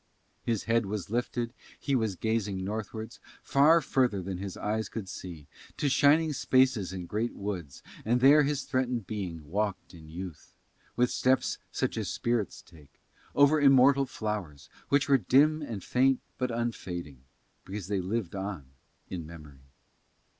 His head was lifted, he was gazing northwards, far further than his eyes could see, to shining spaces in great woods; and there his threatened being walked in youth, with steps such as spirits take, over immortal flowers, which were dim and faint but unfading because they lived on in memory.